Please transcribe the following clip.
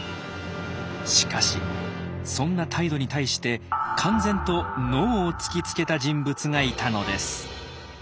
しかしそんな態度に対して敢然と「ＮＯ」を突きつけた人物がいたのです。